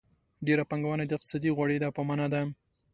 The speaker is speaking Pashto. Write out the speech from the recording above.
ډېره پانګونه د اقتصادي غوړېدا په مانا ده.